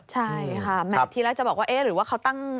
ใช่ค่ะแมทที่แรกจะบอกว่าเอ๊ะหรือว่าเขาตั้ง